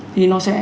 thì nó sẽ